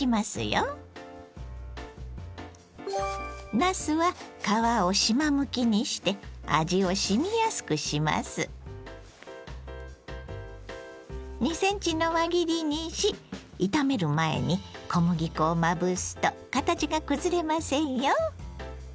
なすは２ｃｍの輪切りにし炒める前に小麦粉をまぶすと形が崩れませんよ。